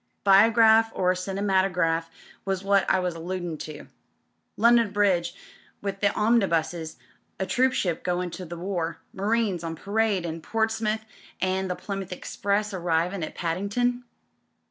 "Biograph or cinematograph was what I was alludin' to. London Bridge with the omnibuses — a troopship goin' to the war — ^marines on parade at Portsmouth an' the Plymouth Express arrivin' at Paddin'ton."